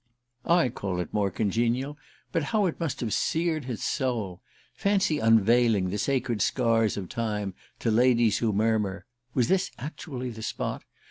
I call it more congenial but how it must have seared his soul! Fancy unveiling the sacred scars of Time to ladies who murmur: "Was this actually the spot